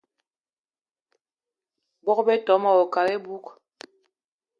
Bogb-ito mayi wo kat iboug.